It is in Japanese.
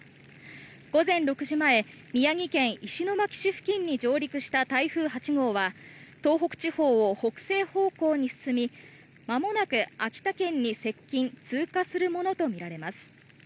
午前６時前、宮城県石巻市付近に上陸した台風８号は東北地方を北西方向に進みまもなく、秋田県に接近・通過するものとみられます。